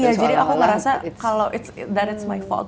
iya jadi aku merasa that it's my fault